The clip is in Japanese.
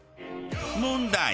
問題。